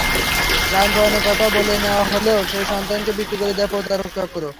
লালনপালনের কথা বলে নেওয়া হলেও সেই সন্তানকে বিক্রি করে দেয় প্রতারক চক্র।